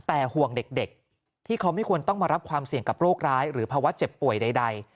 แต่ห่วงเด็กที่เขาไม่ควรต้องมารับความเสี่ยงกับโรคร้ายหรือภาวะเจ็บป่วยใด